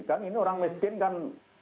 kan ini orang miskin kan